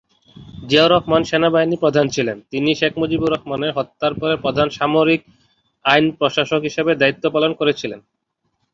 জিয়াউর রহমান সেনাবাহিনী প্রধান ছিলেন, তিনি শেখ মুজিবুর রহমানের হত্যার পরে প্রধান সামরিক আইন প্রশাসক হিসাবে দায়িত্ব পালন করেছিলেন।